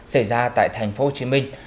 xảy ra tại thành phố hồ chí minh